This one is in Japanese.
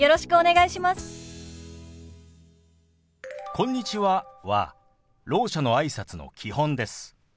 「こんにちは」はろう者のあいさつの基本です。